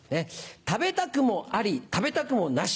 「食べたくもあり食べたくもなし」